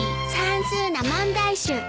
算数の問題集